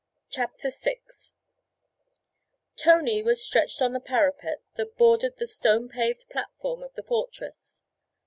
CHAPTER VI Tony was stretched on the parapet that bordered the stone paved platform of the fortress.